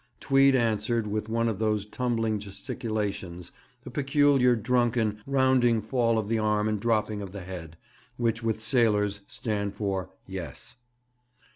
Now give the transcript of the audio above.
Tweed answered with one of those tumbling gesticulations a peculiar drunken, rounding fall of the arm and dropping of the head which with sailors stand for 'yes.'